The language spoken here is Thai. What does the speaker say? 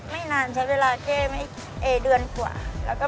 ไม่นานใช้เวลาแก้ไม่เดือนกว่า